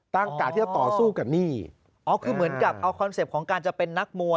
กะที่จะต่อสู้กับหนี้อ๋อคือเหมือนกับเอาคอนเซ็ปต์ของการจะเป็นนักมวย